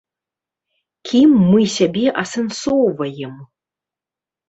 Кім мы сябе асэнсоўваем?